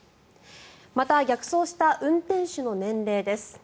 また、逆走した運転手の年齢です。